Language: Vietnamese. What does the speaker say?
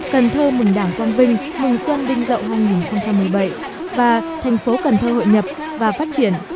cần thơ mừng đảng quang vinh mừng xuân đinh rậu hai nghìn một mươi bảy và thành phố cần thơ hội nhập và phát triển